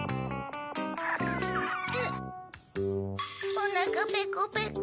おなかペコペコ。